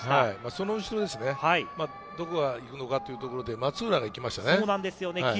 その後ろですね、どこが行くのかというところで、松浦が行きました。